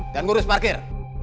dan ngurus parkir